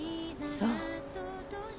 そう。